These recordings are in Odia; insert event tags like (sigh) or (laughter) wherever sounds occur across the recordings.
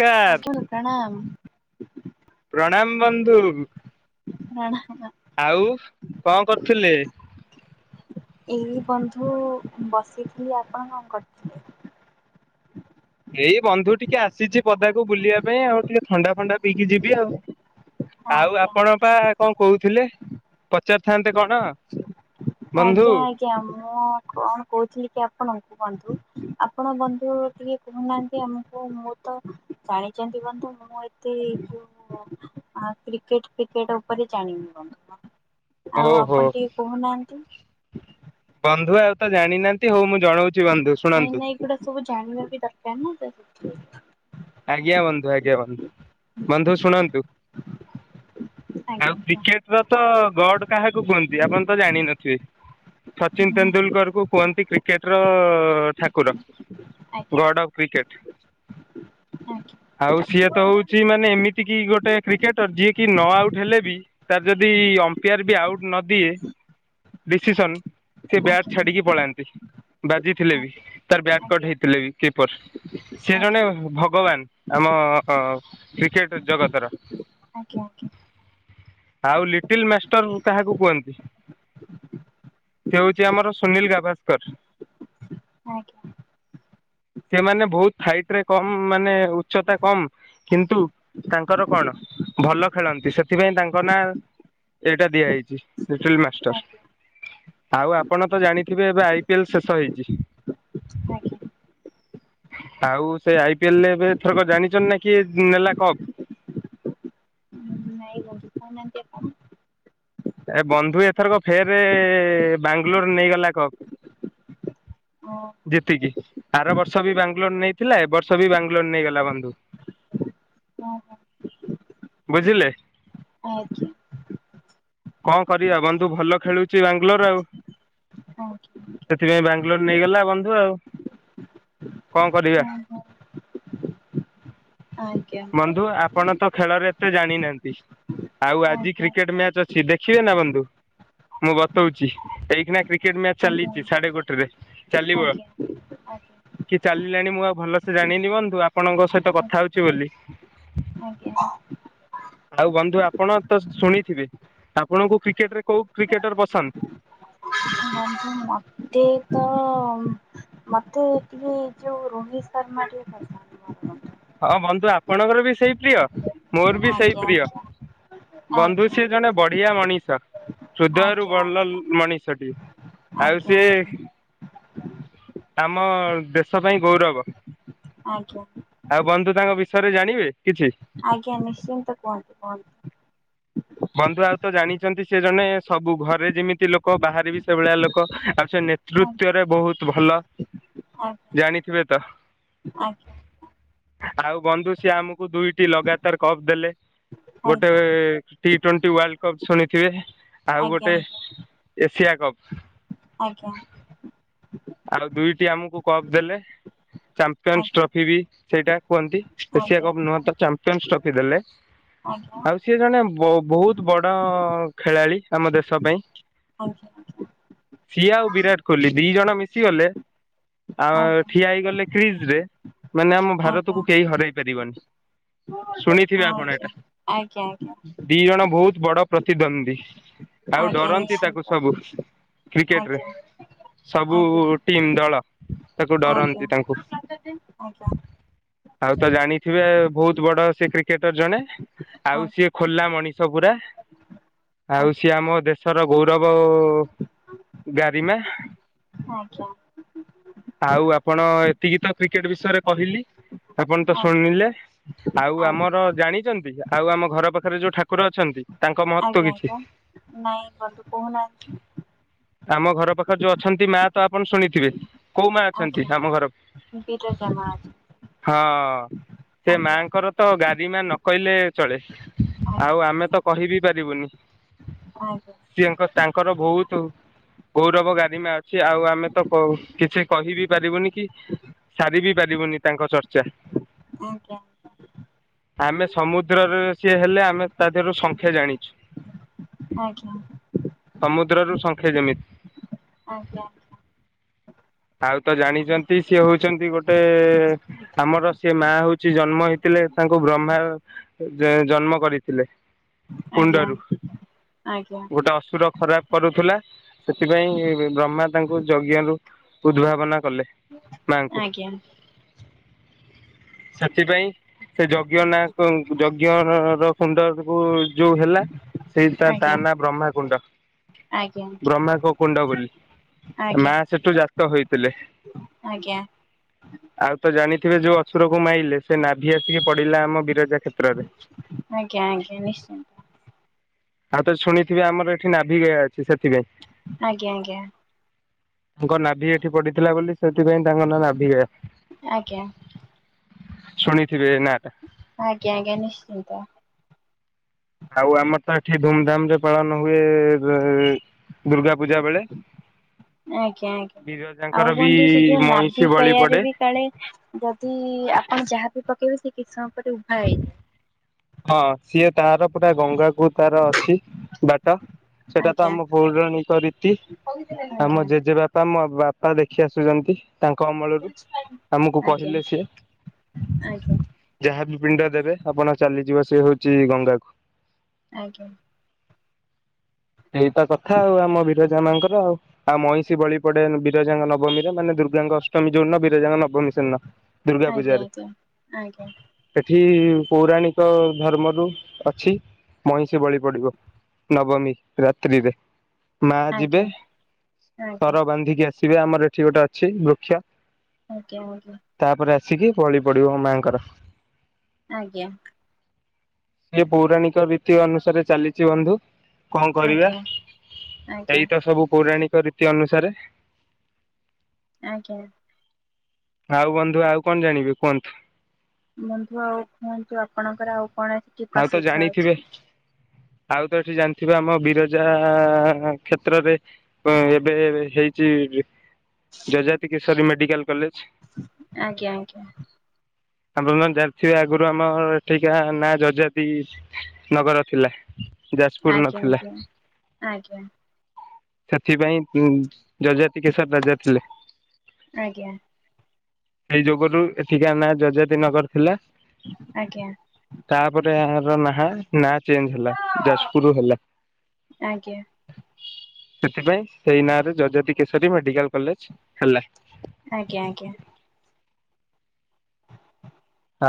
କାର ଫାଷ୍ଟ ରୁ ପ୍ରଣାମ। ପ୍ରଣାମ ବନ୍ଧୁ। (unintelligible) ଆଉ କଣ କରୁଥିଲେ? ଏଇ ବନ୍ଧୁ ବସିଥିଲି ଆପଣ କଣ କରୁଥିଲେ? ଏଇ ବନ୍ଧୁ ଟିକେ ଆସିଛି ପଦାକୁ ବୁଲିବା ପାଇଁ ଆଉ। ଟିକେ ଥଣ୍ଡା ଫଣ୍ଡା ପିଇକି ଯିବି ଆଉ। ଆଉ ଆଜ୍ଞା ଆପଣ ପା କଣ କହୁଥିଲେ? ପଚାରଥାନ୍ତେ କଣ? ବନ୍ଧୁ? ଆଜ୍ଞା ଆ ଜ୍ଞା ମୁଁ କଣ କହୁଥିଲି କି ଆପଣଙ୍କୁ ବନ୍ଧୁ, ଆପଣ ବନ୍ଧୁ ଟିକେ ଶୁଣୁନାହାନ୍ତି ଆମକୁ ମୁଁ ତ ଜାଣିଛନ୍ତି ବନ୍ଧୁ ମୁଁ ଏତି ଏ ଯୋଉ ମୁଁ ଆଁ କ୍ରିକେଟ ଫ୍ରିକେଟ ଉପରେ ଜାଣିନି ବନ୍ଧୁ। ଆଉ ଓହୋ ଆପଣ ଟିକେ କହୁନାହାନ୍ତି। ବନ୍ଧୁ ଆଉ ତ ଜାଣିନାହାନ୍ତି ହଉ ମୁଁ ଜଣଉଚି ବନ୍ଧୁ ଶୁଣନ୍ତୁ। ଏଉଡା ସବୁ ଜାଣିବା ବି ଦରକାର ନା ତ? ଆଜ୍ଞା ବନ୍ଧୁ, ଆଜ୍ଞା ବନ୍ଧୁ। ବନ୍ଧୁ ଶୁଣନ୍ତୁ। ଆଜ୍ଞା କୁହ। ଟର ତ ଗଡ କାହାକୁ କୁହନ୍ତି, ଆପଣ ତ ଜାଣିନଥିବେ। ସଚିନ ଆଜ୍ଞା ତେନ୍ଦୁଲକର କୁ କୁହନ୍ତି କ୍ରିକେଟର ଠାକୁର। God of cricket. ଆଜ୍ଞା। ଆଉ ସିଏ ତ ହଉଛି ମାନେ ଏମିତି କି ଗୋଟେ କ୍ରିକେଟର ଯିଏ କି ନ ଆଉଟ୍ ହେଲେ ବି ତାର ଯଦି ଅମ୍ପିୟାର ବି ଆଉଟ ନଦିଏ, ଡିସିସନ ସେୟେ ଆଜ୍ଞା ବ୍ୟାଟ ଆଜ୍ଞା ଛାଡିକି ପଳାନ୍ତି। ବାଜିଥିଲେ ବି। ତାର ବ୍ୟାଟ କଟ ଆଜ୍ଞା ହେଇଥିଲେ କିପର ସିୟେ ଆଜ୍ଞା ଜଣେ ଗବାନ ଆମ କ୍ରିକେଟ ଜଗତର। ଆଜ୍ଞା ଆଜ୍ଞା। ଆଉ ଲିଟିଲ୍ ମାଷ୍ଟର୍ କାହାକୁ କୁହନ୍ତି? ସେ ହଉଛି ଆମର ସୁନୀଲ ଗାଭାସ୍କର। ଆଜ୍ଞା। ସେ ମାନେ ବହୁତ ହାଇଟ୍ ରେ କମ ମ୍ ମାନେ ଉଚ୍ଚତା କମ କିନ୍ତୁ ତାଙ୍କର କଣ ଭଲ ଖେଳନ୍ତି। ସେଥିପାଇଁ ତାଙ୍କ ନାଁ ଏଇଟା ଦିଆଯାଇଛି ଲିଟେଲ୍ ମାଷ୍ଟର୍। ଆଜ୍ଞା ଆଉ ଆପଣ ତ ଜାଣିଥିବେ ଏବେ ଆଇପିଏଲ୍ ଶେଷ ହେଇଛି। ଆଜ୍ଞା ଆଉ ସେ ଆଇପିଏଲ୍ ରେ ଏବେ ଏଥରକ ଜାଣିଛଛନ୍ତି ନା କି ନେଲା କପ୍? ନାଇଁ ବନ୍ଧୁ। କହୁନାହାନ୍ତି ଆପଣ। ଏ ବନ୍ଧୁ ଏଥରକ ଫେର ବାଙ୍ଗଲୋର୍ ନେଇଗଲା କପ୍। ଜିତିକି। ଆର ବର୍ଷ ବି ବାଙ୍ଗଲୋର୍ ନେଇଥିଲା ଏ ବର୍ଷ ବି ବାଙ୍ଗଲୋର ନେଇଗଲା ବନ୍ଧୁ। ଓହୋ ବୁଝିଲେ? ଆଜ୍ଞା। କଣ କରିବା ବନ୍ଧୁ, ଭଲ ଖେଳୁଚି ବାଙ୍ଗଲୋର୍ ଆଉ। ଆଜ୍ଞା। ସେଥିପାଇଁ ବାଙ୍ଗଲୋର୍ ନେଇଗଲା ବନ୍ଧୁ ଆଉ। କଅଁ କରିିବା? ଓହୋ ଆଜ୍ଞା ବନ୍ଧୁ ଆପଣ ତ ଖେଳରେ ଏତେ ଜାଣିନାହାନ୍ତି ଆଉ ଆଜି ଆଜ୍ଞା କ୍ରିକେଟ ମ୍ୟାଚ୍ ଛି ଦେଖିବେ ନା ବନ୍ଧୁ? ମୁଁ ବତଉଚି ଏଇକିନା କ୍ରିକେଟ ମ୍ୟାଚ୍ ଆଜ୍ଞା ଚାଲିଚି ସାଢେ ଗୋଟେରେ ଚାଲିବ। ଆଜ୍ଞା କି ଚାଲିଲାଣି ମୁଁ ଆଉ ଭଲସେ ଜାଣିନି ବନ୍ଧୁ ଆପଣଙ୍କ ସହିତ କଥା ହଉଚି ବୋଲି। ଆଜ୍ଞା। ଆଉ ବନ୍ଧୁ ଆପଣ ତ ଶୁଣିଥିବେ, ଆପଣଙ୍କୁ କ୍ରିକେଟ୍ ରେ କୋଉ କ୍ରିକେଟର୍ ପସନ୍ଦ୍? ଆଜ୍ଞା ମତେ ତ ମତେ ଏ ଟିକେ ଯୋଉ ରୋହିତ ଶର୍ମା ଟିକେ ପସନ୍ଦ। ହଁ ବନ୍ଧୁ ଆପଣଙ୍କର ବି ସେଇ ପ୍ରିୟ ମୋର ବି ସେଇ ଆଜ୍ଞା ପ୍ରିୟ। ଆଜ୍ଞା ବନ୍ଧୁ ଆଜ୍ଞା ସିଏ ଜଣେ ବଢିଆ ମଣିଷ ହୃଦୟରୁ ଭଲ ମଣିଷଟିଏ। ଆଉ ଆଛା ସିଏ ଆଛା। ଆମ ଦେଶ ପାଇଁ ଗୌରବ। ଆଚ୍ଛା। ଆଉ ବନ୍ଧୁ ତାଙ୍କ ବିଷୟରେ ଜାଣିବେ କିଛି। ଆଜ୍ଞା ନିଶ୍ଚିନ୍ତ କୁହନ୍ତୁ କୁହନ୍ତୁ? ବନ୍ଧୁ ଆଉ ତ ଜାଣିଛନ୍ତି ସେ ଜଣେ ସବୁ ଘରେ ଯେମିତି ଲୋକ ବାହାରେ ବି ସେଭଳିଆ ଲୋକ ସେ ଆଜ୍ଞା ନେତୃତ୍ୱରେ ବହୁତ ଭଲ ଜାଣିଥିବେ ତ। ଆଛା। ଆଉ ବନ୍ଧୁ ସିଏ ଆମକୁ ଦୁଇଟି ଲଗାତାର କପ୍ ଦେଲେ। ଗୋଟେ ଆଜ୍ଞା ଟି ଟ୍ୱେଣ୍ଟି ୱାର୍ଲଡ କପ୍ ଶୁଣିଥିବେ ଆଜ୍ଞା ଆଉ ଗୋଟେ। ଆଜ୍ଞା ଏସିଆ କପ୍। ଆଜ୍ଞା। ଆଉ ଦୁଇଟି ଆମକୁ କପ ଦେଲେ ଚାମ୍ପିୟନସ ଆଜ୍ଞା ଟ୍ରଫି ବି ସେଇଟା କୁହନ୍ତି। ଏସିଆ ଆଜ୍ଞା କପ୍ ନୂହ ତ ଚାମ୍ପିୟନ୍ ଟ୍ରଫି ଦେଲେ। ଆଜ୍ଞା। ଆଉ ସିଏ ଜଣେ ବୋ ବହୁତ ବଡ ଖେଳାଳି ଆମ ଦେଶ ପାଇଁ। ଆଜ୍ଞାା। ସିଏ ଆଉ ବିରାଟ କୋହଲି ଦି ଜଣ ମିଶିଗଲେ ଆଉ ଆଜ୍ଞା। ଠିଆ ହେଇଗଲେ। ିଜ ରେ ମାନେ ଆମ ଆଜ୍ଞା ଭାରତକୁ କେହି ହରାଇ ପାରିବନି। ଶୁଣିଥିବେ ଆପଣ ଆଜ୍ଞା ଏଇଟା ଆଜ୍ଞା ଦି ଜଣ ବହୁତ ବଡ ପ୍ରତିଦ୍ୱନ୍ଦୀ। ଆଉ ଆଜ୍ଞା ଡରନ୍ତି ତାକୁ ନିଶ୍ଚିନ୍ତ ସବୁ କ୍ରିକେଟ ରେ। ଆଜ୍ଞା। ସବୁ ଆଜ୍ଞା ଆଜ୍ଞା ଟିମ୍ ଦଳ ତାକୁ ଡରନ୍ତି ତାଙ୍କୁ। ଆଜ୍ଞା ଆଜ୍ଞା। ଆଉ ତ ଜାଣିଥିବେ ବହୁତ ବଡ ସେ କ୍ରିକେଟର ଜଣେ ଆଜ୍ଞା ଆଉ ସିଏ। ଖୋଲା ମଣିଷ ପୁରା। ଆଜ୍ଞା ଆଉ ସିଏ ଆମ ଦେଶର ଗୌରବ ଗାରିମା। ଆଜ୍ଞା। ଆଉ ଆପଣ ଏତିକି ତ କ୍ରିକେଟ ବିଷୟରେ କହିଲି। ଆପଣ ତ ଆଜ୍ଞା ଶୁଣିଲେ ଆଉ ଆଜ୍ଞା ଆମର ଆଜ୍ଞା। ଜାଣିଛନ୍ତି ଆଉ ଆମ ଘର ପାଖରେ ଯୋଉ ଠାକୁର ଅଛନ୍ତି ତାଙ୍କ ମହତ୍ଵ ଆଜ୍ଞା କିଛି ଆଜ୍ଞା ନାଇଁ ବନ୍ଧୁ କହୁନାହାନ୍ତି। ଆମ ଘର ପାଖରେ ଯୋଉ ଅଛନ୍ତି ମା ତ ଆପଣ ଶୁଣିଥିବେ। କୋଉ ମା ଅଛନ୍ତି ଆଜ୍ଞା ଆମ ଘରକୁ। ବିରଜା ମା ହଁ ସେ ଅଛି ମାଆଙ୍କର ତ ଗାରିମା ନକହିଲେ ଚଳେ। ଆଜ୍ଞା ଆଉ ଆମେ ତ କହିବି ପାରିବୁନି। ଆଜ୍ଞା। ିଅଙ୍କ ତାଙ୍କର ବହୁତ ଗୌରବ ଗା। ଗାରିମା ଅଛି ଆଉ ଆମେ ତ କିଛି କହିିବି ପାରିବୁନି କି। ସାରି ବି ପାରିବୁନି ତାଙ୍କ ଚର୍ଚ୍ଚା। ଆଜ୍ଞା ଆଜ୍ଞା ଆମେ ସମୁଦ୍ରରେ ସିଏ ହେଲେ ଆମେ ତା ଦେହରୁ ସଂଖ୍ୟା ଜାଣିଛୁ। ଆଜ୍ଞା। ସମୁଦ୍ରରୁ ସଂଖ୍ୟେ ଯେମିତି। ଆଜ୍ଞାା। ଆଉ ତ ଜାଣିଛନ୍ତି ସିଏ ହଉଛନ୍ତି ଗୋଟେ ଆମର ସେ ମା ହଉଛି ଜନ୍ମ ହେଇଥିଲେ ତାଙ୍କୁ ବ୍ରହ୍ମାର ଯେ ଜନ୍ମ କରିଥିଲେ। କୁଣ୍ଡରୁ। ଗୋଟେ ଅସୁର ଖରାପ କରୁଥିଲା ସେଥିପାଇଁ ବ୍ରହ୍ମା ତାଙ୍କୁ ଯଜ୍ଞ ରୁ ଉଦ୍ଭାବନା କଲେ। ମାଆଙ୍କୁ, ସେଥିପାଇଁ ସେ ଯଜ୍ଞନା ଯଜ୍ଞ ର କୁଣ୍ଡର ରୁ ଯୋଉ ହେଲା ସେଇ ତ ତାର ଆଜ୍ଞା ନାଁ ବ୍ରହ୍ମାକୁଣ୍ଡ। ଆଜ୍ଞା ଆଜ୍ଞା ଆଜ୍ଞା ଆଜ୍ଞା ବ୍ରହ୍ମାଙ୍କ କୁଣ୍ଡ ବୋଲି ଆଜ୍ଞା ଆଜ୍ଞା। ମା ସେଠୁ ଜାତ ହୋଇଥିଲେ। ଆଜ୍ଞା। ଆଉ ତ ଜାଣିଥିବେ ଯୋଉ ଅସୁରକୁ ମାଇଲେ ସେ ନାଭି ଆସିକି ପଡିଲା ଆମ ବିରଜା କ୍ଷେତ୍ରରେ। ଆଜ୍ଞା ଆଜ୍ଞା ନିଶ୍ଚିନ୍ତ। ଆଉ ତ ଶୁଣିଥିବେ ଆମର ଏଠି ନାଭିିଗୟା ଅଛି ସେଥିପାଇଁ। ଆଜ୍ଞା ଆଜ୍ଞା। ତାଙ୍କ ନାଭି ଏଠି ପଡିଥିଲା ବୋଲି ସେଥିପାଇଁ ତାଙ୍କ ନାଁ ନାଭିିଗୟା। ଆଜ୍ଞା। ଶୁଣିଥିବେ ଏ ନାଟା? ଆଜ୍ଞା ଆଜ୍ଞା ନିଶ୍ଚିନ୍ତ। ଆଉ ଆମର ତ ଏଠି ଧୁମଧାମ ରେ ପାଳନ ହୁଏ ଦୁର୍ଗା ପୂଜା ବେଳେ। ଆଜ୍ଞା ଆଜ୍ଞା। ବିରଜାଙ୍କର ଆଉ ବି ବନ୍ଧୁ ସେ ଯୋଉ ମଇଁଷି ବଳି ପଡେ। ନାଭିିକୟାରେ ବି କାଳେ ଯ ତି ଆପଣ ଯାହାକୁ ପକେଇବେ ସେ କିଛି ସମୟ ପରେ ଉଭା ହେଇଯାଏ। ହଁ ସିଏ ତାର ପୁରା ଗଙ୍ଗାକୁ ତାର ଅଛି ବାଟ। ସେଟା ତ ଆଜ୍ଞା ଆମ ପୌରାଣିକ ରୀତି ଆଜ୍ଞା ଆମ ଆଜ୍ଞା ଜେଜେବାପା ମୋ ବାପ୍ ଆ ଦେଖି ଆସୁଛନ୍ତି। ତାଙ୍କ ଅମଳରୁ, ଆମକୁ ଆଜ୍ଞା କହିଲେ ସେ। ଆଜ୍ଞା ଯାହାବି ପିଣ୍ଡ ଦେବେ ଆପଣ ଚାଲିଯିବ ସେ ହଉଛି ଗଙ୍ଗାକୁ। ଆଜ୍ଞା। ଏଇତ କଥା ଆଉ ଆମ ବିରଜା ମଙ୍କର ଆଉ। ଆଉ ମଇଁଷି ବଳି ପଡେ ବିରଜାଙ୍ଗ ନବମୀର ମାନେ ଦୁର୍ଗାଙ୍କ ଅଷ୍ଟମୀ ଯୋଉନ ବୀରଜାଙ୍କ ନବମୀ ସେ ଦିନ। ଦୁର୍ଗା ଆଜ୍ଞା ପୂଜାରେ। ଆଜ୍ଞା ଆଜ୍ଞା ଆଜ୍ଞା ଆଜ୍ଞା ଏଠି ପୌରାଣିକ ଧର୍ମରୁ ଅଛି ମଇଁଷି ବଳି ପଡିବ। ନବମୀ ରାତ୍ରିରେ। ମା ଯିବେ ଆଜ୍ଞା ସର ବାନ୍ଧିକି ଆସି ଶିରାମର ଏଠି ଗୋଟେ ଅଛି ବୃକ୍ଷ। ଆଜ୍ଞା ଆଜ୍ଞା। ତାପରେ ଆସିକି ବଳି ପଡିବ ମାଆଙ୍କର। ଆଜ୍ଞା। ସେଇ ପୌରାଣିକ ଭିତୀ ଅନୁସାରେ ଚାଲିଛି ବନ୍ଧୁ। କଣ କରିବା ଆଜ୍ଞା ଆଜ୍ଞା ଏଇତ ସବୁ ପୌରାଣିକ ରୀତି ଅନୁସାରେ? ଆଜ୍ଞା। ଆଉ ବନ୍ଧୁ ଆଉ କଣ ଜାଣିବି କୁହନ୍ତୁ? ବନ୍ଧୁ ଆଉ କୁହନ୍ତୁ ଆପଣଙ୍କର ଆଉ କଣ ଅଜି? ଆଉ ତ ଜାଣିଥିବେ ଆଉ ତ ଏଠି ଜାଣିଥିବ ଆମ ବିରଜା କ୍ଷେତ୍ରରେ ହଁ ଏବେ ହେଇଛି ଯଜାତି କିଶୋରୀ ମେଡିକାଲ କଲେଜ। ଆଜ୍ଞା ଆଜ୍ଞା। ଆପଣ ମାନେ ଜାଣି ଥିବେ ଆଗୁରୁ ଆମ ଏଠିକା ନା ଯଦି। ଜତି ନଗର ଥିଲା ଯାଜପୁରୁ ଆଜ୍ଞା ନଥିଲା। ଆଜ୍ଞା ଆଜ୍ଞା ସେଥିପାଇଁ ଯଯାତି କେଶର ରାଜା ଥିଲେ। ଆଜ୍ଞା ସେଇ ଯୁଗରୁ ଏଠିକା ନାଁ ଯଯାତି ନଗର ଥିଲା। ଆଜ୍ଞା। ଗୋଟେ ର ନାହା ନା ଚେଞ୍ଜ ହେଲା ଯାଜପୁରୁ ହେଲା। ଆଜ୍ଞା ସେଥିପାଇଁ ସେଇ ନାଁରେ ଯଯାତି କେଶରୀ ମେଡିକାଲ କଲେଜ ହେଲା। ଆଜ୍ଞା ଆଜ୍ଞା।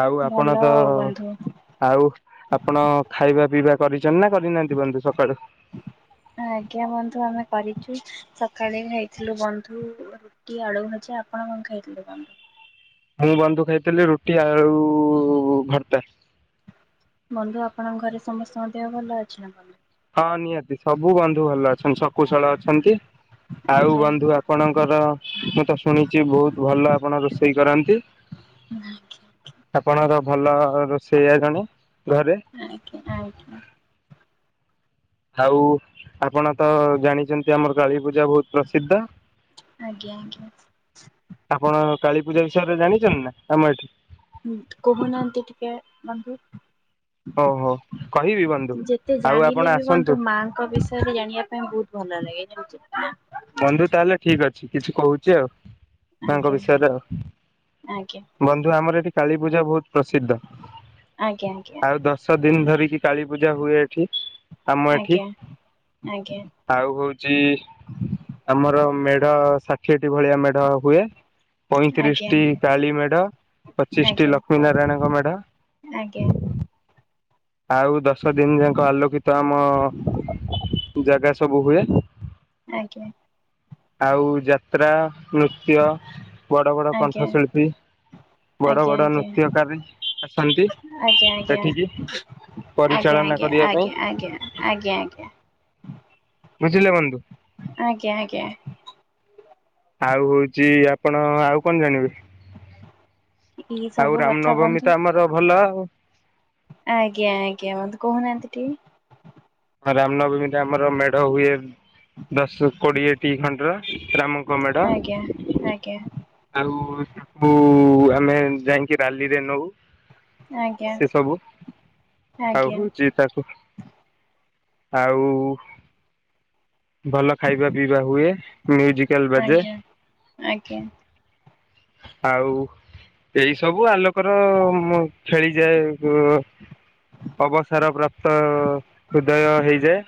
ଆଉ ଭଲ ଆପଣତଃ। ଆଉ ବନ୍ଧୁ ଆଉ ଆପଣ ଖାଇବା, ପିଇବା କରିଛନ୍ତି ନା କରିନାହାନ୍ତି ବନ୍ଧୁ ସକାଳୁ। ଆଜ୍ଞା ବନ୍ଧୁ ଆମେ କରିଛୁ ସକାଳେ ନେଇଥିଲୁ ବନ୍ଧୁ। କି ଆଳୁ ଭଜା ଆପଣ କ'ଣ ଖାଇଥିଲେ ମାମୁଁ। ମୁଁ ବନ୍ଧୁ ଖାଇଥିଲି ରୁଟି, ଆଳୁ ଭର୍ତ୍ତା। ବନ୍ଧୁ ଆପଣଙ୍କ ଘରେ ସମସ୍ତଙ୍କ ଦେହ ଭଲ ଅଛି ନା କ'ଣ। ହଁ ନିହାତି ସବୁ ବନ୍ଧୁ ଭଲ ଅଛନ୍ତି ଶକୁଶଳ ଅଛନ୍ତି ଆଉ ଆଜ୍ଞା ବନ୍ଧୁ ଆପଣଙ୍କ। ଙ୍କର ମୁଁ ତ ଶୁଣିଛି ବହୁତ ଭଲ ଆପଣ ରୋଷେଇ କରନ୍ତି। ଆଜ୍ଞା ଆପଣର ଭଲ ରୋଷେଇଆ ଜଣେ ଘରେ। ଆଜ୍ଞା, ଆଜ୍ଞା। ଆଉ ଆପଣ ତ ଜାଣିଛନ୍ତି ଆମର କାଳୀପୂଜା ବହୁତୁ। ପ୍ରସିଦ୍ଧ। ଆଜ୍ଞା ଆଜ୍ଞା। ଆପଣ କାଳୀ ପୂଜା ବିଷୟରେ ଜାଣିଛନ୍ତି ନା ଆମ ଏଠି। ଉଁ କହୁନାହାନ୍ତି ଟିକେ ବନ୍ଧୁ। ଓହୋ କହିବି ବନ୍ଧୁ। ଯେତେ ଆଉ ଆପଣ ଜାଣିଲେ ବି ଆସନ୍ତୁ ବନ୍ଧୁ ମାଙ୍କ ବିଷୟରେ ଜାଣିବା ପାଇଁ ବହୁତୁ। ଭଲ ଲାଗେ (inaudible) ପା। ବନ୍ଧୁ ତାହେଲେ ଠିକ ଅଛି କିଛି କହୁଛି ଆଉ ମାଙ୍କ ଆଜ୍ଞା ବିଷୟରେ ଆଉ। ଆଜ୍ଞା। ବନ୍ଧୁ ଆମର ଏଠି କାଳୀ ପୂଜା ବହୁତୁ ପ୍ରସିଦ୍ଧ। ଆଜ୍ଞା, ଆଜ୍ଞା। ଆଉ ଦଶ ଦିନି ଧରିକି କାଳୀ ପୂଜା ହୁଏ ଏଠି ଆମ ଏଠି। ଆଜ୍ଞା ଆଜ୍ଞା। ଆଉ ହଉଛି ଆମର ମେଢ ଷାଠିଏଟି ଭଳିଆ ମେଢ ହୁଏ। ପଇଁତିରିଶ ଆଜ୍ଞା ଟି କାଳୀ ମେଢ ପଚିଶି ଟି ଆଜ୍ଞା ଲକ୍ଷ୍ମୀ ନାରାୟଣଙ୍କ ମେଢ। ଆଜ୍ଞା। ଆଉ ଦଶ ଦିନି ଯାକ ଆଲୋକିତ ଆମ ଜାଗା ସବୁ ହୁଏ। ଆଜ୍ଞା। ଆଉ ଯାତ୍ରା, ନୃତ୍ୟ ବଡ, ବଡ କଣ୍ଠ ଶିଳ୍ପୀ। ଆଜ୍ଞା, ଆସନ୍ତି ଆଜ୍ଞା, ଆଜ୍ଞା, ଏଠିକି ଆଜ୍ଞା। ଆଜ୍ଞା, ଆଜ୍ଞା, ପରିଚାଳନା ଆଜ୍ଞା, କରିବା ପାଇଁ ଆଜ୍ଞା, ଆଜ୍ଞା, ଆଜ୍ଞା। ବୁଝିଲେ ବନ୍ଧୁ। ଆଜ୍ଞା, ଆଜ୍ଞା ଆ। ଆଉ ହଉଛି ଆପଣ ଆଉ କଣ ଜାଣିବେ। ଏଇ ଆଉ ସବୁ କଥା ରାମନବମୀ ବନ୍ଧୁ ତ ଆମର ଭଲ ଆଉ। ଆଜ୍ଞା, ଆଜ୍ଞା ମତେ କହୁନାହାନ୍ତି ଟିକେ। ହଁ ରାମନବମୀରେ ଆମର ମେଢ ହୁଏ ଦଶ କୋଡିଏଟି ଖଣ୍ଡ ର ରାମ। ଆଜ୍ଞା ଆଜ୍ଞା। ଆଉ ତାକୁ ଆମେ ଯାଇକି ରାଲିରେ ନଉ। ଆଜ୍ଞା ସେ ସବୁ ଆଜ୍ଞା ଆଉ ଆଜ୍ଞା ହୋଉଚି ଚାକୁ ଆଉ ଭଲ ଖାଇବା ପିଇବା ହୁଏ। ମ୍ୟୁଜିକାଲ ବାଜେ ଆଜ୍ଞା ଆଜ୍ଞା। ଆଉ ଏଇ ସବୁ ଆଲୋ ଙ୍କର ମୁଁ ଖେଳିଯାଏ ଅବସାର ପ୍ରାପ୍ତ ହୃଦୟ ହେଇଯାଏ।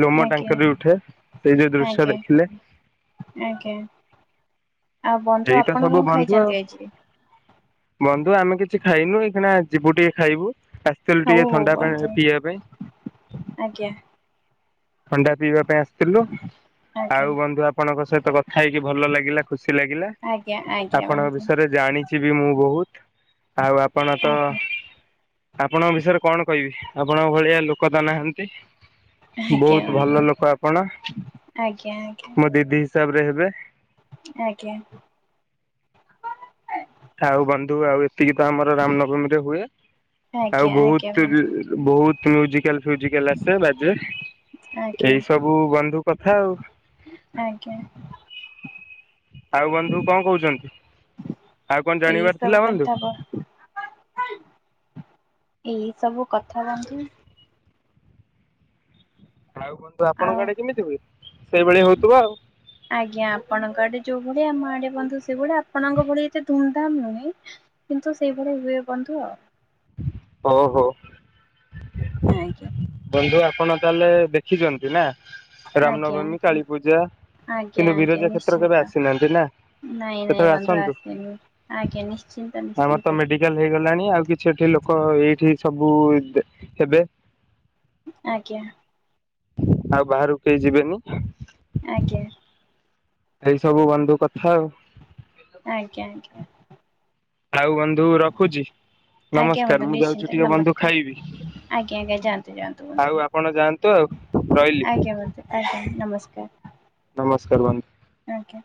ଲୋମ ଆଜ୍ଞା ଟାଙ୍କୁରି ଉଠେ ସେଇ ଯୋଉ ଦୃଶ୍ୟ ଆଜ୍ଞା ଦେଖିଲେ। ଆଜ୍ଞା, ଆଉ ବନ୍ଧୁ ଏଇତ ଆପଣ ସବୁ କଣ ବନ୍ଧୁ ଆଉ ଖାଇଛନ୍ତି ଆଜି? ବନ୍ଧୁ ଆମେ କିଛି ଖାଇନୁ ଏଇଖିଣା ଯିବୁ ଟିକେ ଖାଇବୁ ଆସିଥିଲୁ ହଉ ଟିକେ ହଉ ଥଣ୍ଡା ବନ୍ଧୁ ପାଣି ପିଇବା ପାଇଁ ଆଜ୍ଞା। ଥଣ୍ଡା ପିଇବା ପାଇଁ ଆସିଥିଲୁ। ଆଜ୍ଞା ଆଉ ବନ୍ଧୁ ଆପଣଙ୍କ ସହିତ କଥା ହେଇକି ଭଲ ଲାଗିଲା ଖୁସି ଲାଗିଲା। ଆଜ୍ଞା ଆଜ୍ଞା ଆପଣଙ୍କ ବନ୍ଧୁ ବିଷୟରେ ଜାଣିଚି ବି ମୁଁ ବହୁତ ଆଉ ଆପଣ ତ ଆଜ୍ଞା ଆପଣଙ୍କ ବିଷୟରେ କଣ କହିବି ଆପଣଙ୍କ ଭଳିଆ ଲୋକ ତ ନାହାଁନ୍ତି। ଆଜ୍ଞା ବହୁତ ଭଲ ବନ୍ଧୁ ଲୋକ ଆପଣ ଆଜ୍ଞା ମୋ ଦିଦି ହିସାବରେ ହେବେ। ଆଜ୍ଞା। ଆଜ୍ଞା ଆଉ ବନ୍ଧୁ ଆଉ ଏତିକି ତ ଆମର ରାମନବମୀ ରେ ହୁଏ ଆଜ୍ଞା ଆଉ ଆଜ୍ଞା ବହୁତ୍ ବନ୍ଧୁ ବହୁତ ମ୍ୟୁଜିକାଲ ଫ୍ୟୁଜିକାଲ ଆସେ ବାଜେ। ଆଜ୍ଞା ଏଇ ସବୁ ବନ୍ଧୁ କଥା ଆଉ ଆଜ୍ଞା। ଆଉ ବନ୍ଧୁ କଣ କହୁଛନ୍ତି? ଆଉ କଣ ଏଇ ଜାଣିବାର ଥିଲା ସବୁ ବନ୍ଧୁ? କଥା ବ ଏଇ ସବୁ କଥା ବନ୍ଧୁ। ଆଉ ବନ୍ଧୁ ଆଉ ଆପଣଙ୍କ ଆଡେ କେମିତି ହୁଏ ସେଇଭଳି ହଉଥିବ ଆଉ। ଆଜ୍ଞା ଆପଣଙ୍କ ଆଡେ ଯୋଉ ଭଳିଆ ଆମ ଆଡେ ବନ୍ଧୁ ସେଇ ଭଳିଆ ଆପଣଙ୍କ ଭଳି ଏତେ ଧୁମଧାମ ନୁହେଁ। କିନ୍ତୁ ସେଇଭଳି ହୁଏ ବନ୍ଧୁ ଆଉ। ଓହୋ। ଆଜ୍ଞା। ବନ୍ଧୁ ଆପଣ ତାହେଲେ ଦେଖିଛନ୍ତି ନା। ଆଜ୍ଞା ରାମନବମୀ, ଆଜ୍ଞା କାଳୀ ପୂଜା ଆଜ୍ଞା କିନ୍ତୁ ଆଜ୍ଞା ବିରଜା କ୍ଷେତ୍ର ନିଶ୍ଚିନ୍ତ କେବେ ଆସିନାହାନ୍ତି ନା। ନାଇଁ ନାଇଁ କେତେବେଳେ ବନ୍ଧୁ ଆସନ୍ତୁ। ଆସନି ଆଜ୍ଞା ନିଶ୍ଚିନ୍ତ ଆମର ତ ନିଶ୍ଚିନ୍ତ। ମେଡିକାଲ ହେଇଗଲାଣି ଆଉ କିଛି ଏଠି ଲୋକ ଏଇଠି ସବୁ ହେବେ। ଆଜ୍ଞା। ଆଉ ବାହାରକୁ କେହି ଯିବେନି। ଆଜ୍ଞା। ଏଇ ସବୁ ବନ୍ଧୁ କଥା ଆଉ। ଆଜ୍ଞା ଆଜ୍ଞା। ଆଉ ବନ୍ଧୁ ରଖୁଛି। ଆଜ୍ଞା ବନ୍ଧୁ ନମସ୍କାର ମୁଁ ଯାଉଛି ନିଶ୍ଚିନ୍ତ ଟିକେ ବନ୍ଧୁ ଖାଇବି ନମସ୍କାର। ଆଜ୍ଞା ଆଜ୍ଞା ଯାଆନ୍ତୁ ଯାଆନ୍ତୁ ଆଉ ବନ୍ଧୁ ଆପଣ ଯାଆନ୍ତୁ ଆଉ ରହିଲି ଆଜ୍ଞା ବନ୍ଧୁ ଆଜ୍ଞା ନମସ୍କାର। ନମସ୍କାର ବନ୍ଧୁ। ଆଜ୍ଞା।